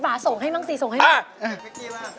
คุณภาพส่งให้บ้างสิส่งให้บ้างอ้าว